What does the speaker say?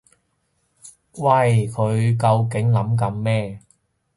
喂佢究竟諗緊咩？